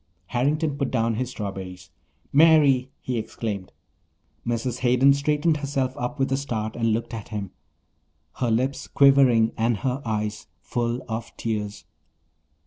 Harrington put down his strawberries. "Mary!" he exclaimed. Mrs. Hayden straightened herself up with a start and looked at him, her lips quivering and her eyes full of tears.